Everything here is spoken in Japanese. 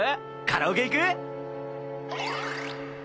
カラオケ行く？